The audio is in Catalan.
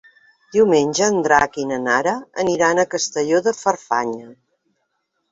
Diumenge en Drac i na Nara aniran a Castelló de Farfanya.